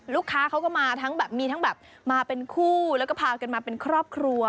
ลูกค้าเขาก็มาทั้งแบบมีทั้งแบบมาเป็นคู่แล้วก็พากันมาเป็นครอบครัว